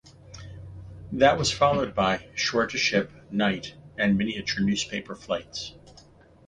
This was followed by: shore-to-ship, night, and miniature newspaper flights.